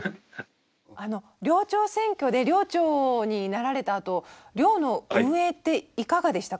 あの寮長選挙で寮長になられたあと寮の運営っていかがでしたか？